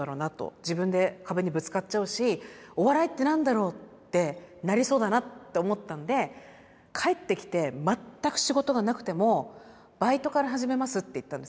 自分で壁にぶつかっちゃうしお笑いって何だろうってなりそうだなと思ったんで帰ってきて全く仕事がなくてもバイトから始めますって言ったんですよ。